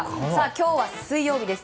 今日は水曜日です。